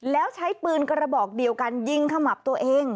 แล้วใช้ปืนกระบอกเดียวกันยิงขมับตัวเอง